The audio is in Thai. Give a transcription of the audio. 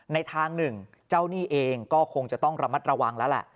ในทางหนึ่งเจ้าหนี้เองก็คงจะต้องระมัดระวังแล้วแหละ